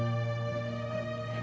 terima kasih hen